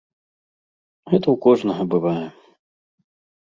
Гэта ў кожнага бывае.